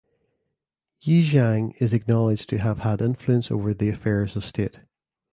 Yi Jiang is acknowledged to have had influence over the affairs of state.